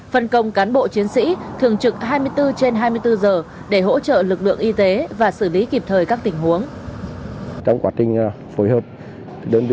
phân công cán bộ chiến sĩ thường trực hai mươi bốn trên hai mươi bốn giờ để hỗ trợ lực lượng y tế và xử lý kịp thời các tình huống